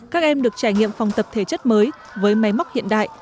các em được trải nghiệm phòng tập thể chất mới với máy móc hiện đại